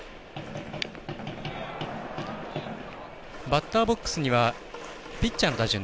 バッターボックスにはピッチャーの打順。